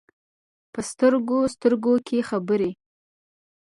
په سترګو، سترګو کې خبرې ،